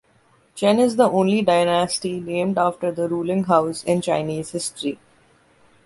Chen is the only dynasty named after the ruling house in Chinese history.